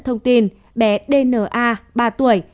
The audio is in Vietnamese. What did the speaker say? thông tin bé dna ba tuổi